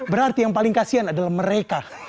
berarti yang paling kasian adalah mereka